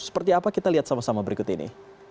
seperti apa kita lihat sama sama berikut ini